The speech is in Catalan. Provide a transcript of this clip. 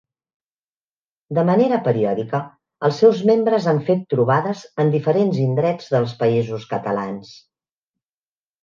De manera periòdica els seus membres han fet trobades en diferents indrets dels Països Catalans.